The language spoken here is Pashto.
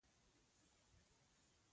رقیب زما د نوښت هڅونکی دی